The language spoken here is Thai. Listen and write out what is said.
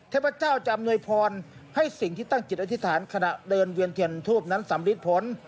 เทพเจ้าจะอำนวยพรให้สิ่งที่ตั้งจิตอธิษฐานขณะเดินเวียนเทียนทูปนั้นสำริดผล